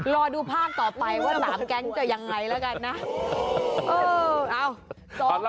รอดูภาพต่อไปว่า๓แก๊งจะยังไงแล้วกันนะ